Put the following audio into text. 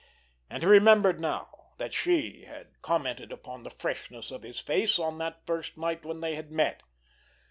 And he remembered now that she had commented upon the freshness of his face on that first night when they had met.